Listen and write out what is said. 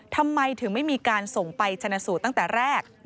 ทำไมถึงไม่มีการส่งไปชนะสูตรตั้งแต่แรก